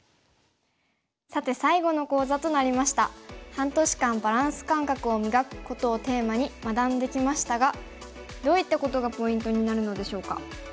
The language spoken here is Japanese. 半年間バランス感覚を磨くことをテーマに学んできましたがどういったことがポイントになるのでしょうか？